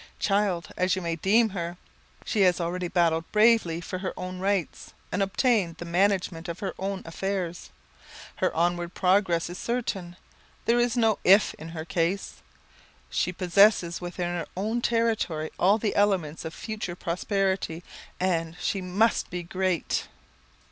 Child as you may deem her, she has already battled bravely for her own rights, and obtained the management of her own affairs. Her onward progress is certain. There is no if in her case. She possesses within her own territory all the elements of future prosperity, and _she must be great!